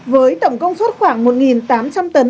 với tổng công suất khoảng một tám trăm linh tấn